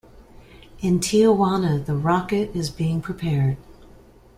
In Tijuana, the rocket is being prepared.